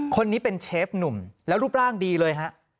คนนี้เป็นเชฟหนุ่มแล้วรูปร่างดีเลยฮะ